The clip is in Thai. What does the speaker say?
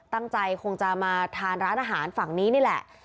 ตั้งใจคงจะมาทานร้านอาหารฝั่งนี้นี่แหละ